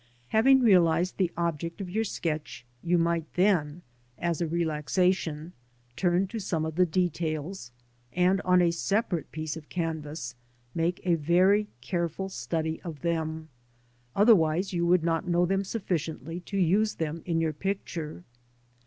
Having realised the object of your sketch, you might then, as a relaxation, turn to some of the details, and, on a separate piece of canvas, make a very careful study of them, otherwise you would not know them sufficiently to use them in your picture.